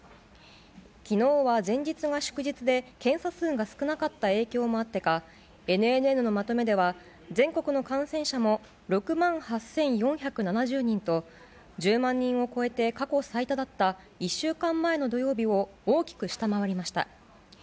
きのうは前日が祝日で、検査数が少なかった影響もあってか、ＮＮＮのまとめでは、全国の感染者も６万８４７０人と、１０万人を超えて過去最多だった１週間前の土曜日を大きく下回りました。